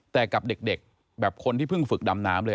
แต่กับเด็กแบบคนที่เพิ่งฝึกดำน้ำเลย